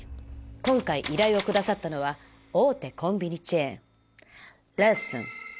今回依頼をくださったのは大手コンビニチェーンローソン。